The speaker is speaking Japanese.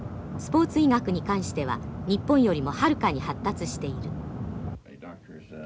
スポーツ医学に関しては日本よりもはるかに発達している。